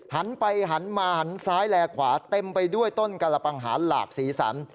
หันไปหันมาหันซ้ายแลขวาเต็มไปด้วยต้นกระปังหารหลากสีสัน